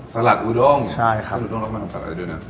สลัดอูด้งใช่ครับเส้นอูด้งเรากำลังทำสลัดอะไรด้วยนะ